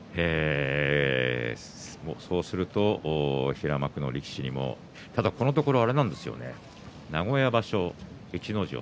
そうすると平幕の力士にも。ただ、このところあれなんですよね。名古屋場所が逸ノ城。